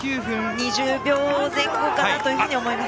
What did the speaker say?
２０秒前後かなと思います。